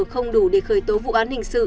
không đủ để khởi tố vụ án hình sự